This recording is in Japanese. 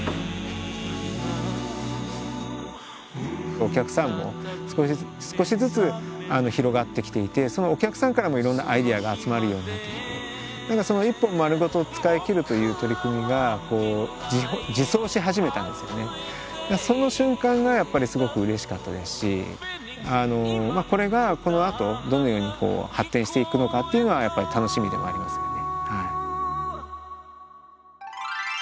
お客さんも少しずつ広がってきていてそのお客さんからもいろんなアイデアが集まるようになってきてその瞬間がやっぱりすごくうれしかったですしこれがこのあとどのように発展していくのかっていうのはやっぱり楽しみでもありますよね。